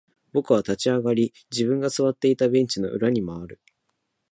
僕は立ち上がり、自分が座っていたベンチの裏に回る。